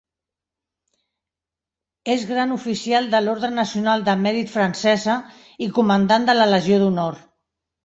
És gran oficial de l'Orde Nacional del Mèrit francesa i comandant de la Legió d'Honor.